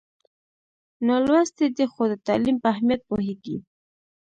نالوستی دی خو د تعلیم په اهمیت پوهېږي.